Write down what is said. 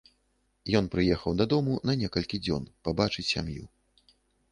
Ён прыехаў дадому на некалькі дзён пабачыць сям'ю.